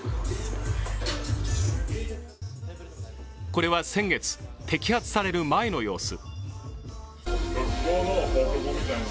これは先月、摘発される前の様子。